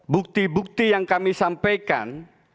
bukti bukti yang kami sampaikan